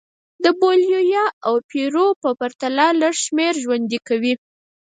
د بولیویا او پیرو په پرتله لږ شمېر ژوند کوي.